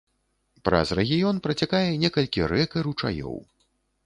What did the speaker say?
Праз рэгіён працякае некалькі рэк і ручаёў.